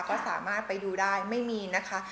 ก็สามารถไปดูได้ไม่มีนะคะ